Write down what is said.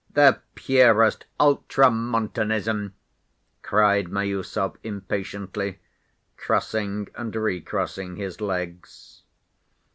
"The purest Ultramontanism!" cried Miüsov impatiently, crossing and recrossing his legs.